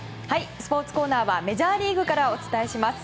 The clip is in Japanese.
スポーツコーナーはメジャーリーグからお伝えします。